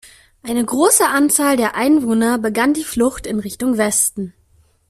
Eine große Anzahl der Einwohner begann die Flucht in Richtung Westen.